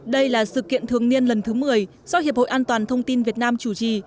đây là sự kiện thường niên lần thứ một mươi do hiệp hội an toàn thông tin việt nam chủ trì